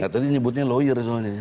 tadi nyebutnya lawyer soalnya